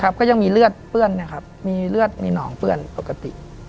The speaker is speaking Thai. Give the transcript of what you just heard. ก็ยังมีเลือดเปื้อนนะครับมีเลือดมีหนองเปื้อนปกติ